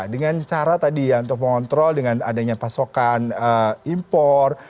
dengan cara tadi ya untuk mengontrol dengan adanya pasokan impor